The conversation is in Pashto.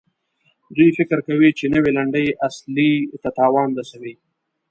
دوی فکر کوي چې نوي لنډۍ اصلي ته تاوان رسوي.